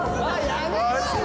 やめろよ！